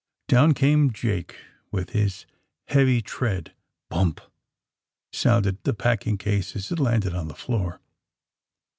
Down came Jake, with his heavy tread. Bump! sounded the packing case as it landed on the floor.